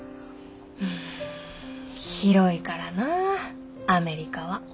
うん広いからなあアメリカは。